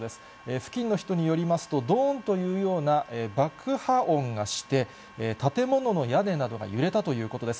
付近の人によりますと、どーんというような爆破音がして、建物の屋根などが揺れたということです。